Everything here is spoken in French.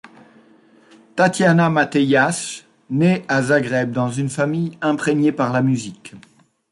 Tatjana Matejaš naît à Zagreb dans une famille imprégnée par la musique.